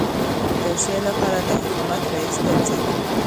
د توشیح لپاره د حکومت رئیس ته ځي.